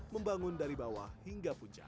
membangun dari bawah hingga puncak